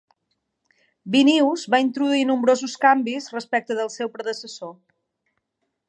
B News va introduir nombrosos canvis respecte del seu predecessor.